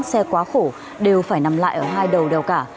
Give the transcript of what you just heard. xe quá khổ đều phải nằm lại ở hai đầu đèo cả